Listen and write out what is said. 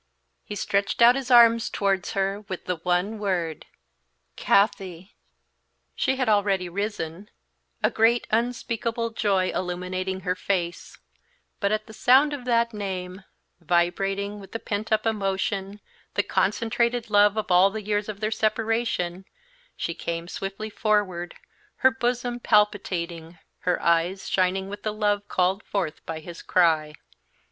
He stretched out his arms towards her with the one word, "Kathie!" She had already risen, a great, unspeakable joy illumining her face, but at the sound of that name, vibrating with the pent up emotion, the concentrated love of all the years of their separation, she came swiftly forward, her bosom palpitating, her eyes shining with the love called forth by his cry.